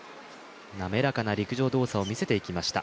滑らかな陸上動作を見せていきました。